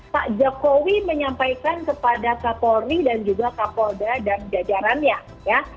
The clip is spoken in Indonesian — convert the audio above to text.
pak jokowi menyampaikan kepada kapolri dan juga kapolda dan jajarannya ya